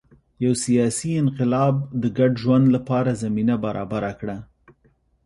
یو سیاسي انقلاب د ګډ ژوند لپاره زمینه برابره کړه.